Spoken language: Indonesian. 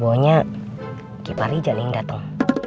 bobonya ke parija nih yang datang